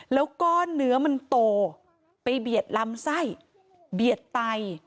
แล้วก้อนเนื้อมันโตไปเบียดลำไส้เบียดไต